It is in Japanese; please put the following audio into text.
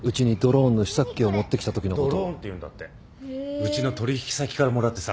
うちの取引先からもらってさ